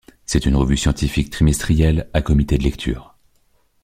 C'est une revue scientifique trimestrielle, à comité de lecture.